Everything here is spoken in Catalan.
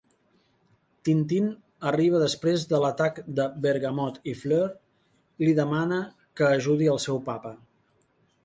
Tintín arriba després de l'atac de Bergamotte i Fleur li demana que ajudi el seu "papa".